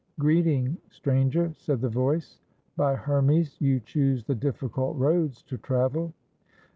"Greeting, stranger," said the voice. "By Hermes, you choose the difficult roads to travel."